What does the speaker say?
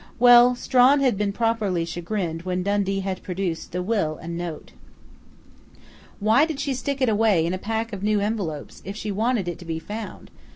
Well, Strawn had been properly chagrined when Dundee had produced the will and note.... "Why did she stick it away in a pack of new envelopes, if she wanted it to be found?"